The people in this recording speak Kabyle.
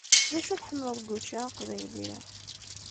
D acu i tḥemmleḍ deg učči aqbayli?